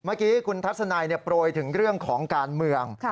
เมื่อกี้คุณทัศนัยโปรยถึงเรื่องของการเมือง